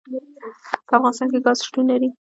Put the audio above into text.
په افغانستان کې ګاز شتون لري.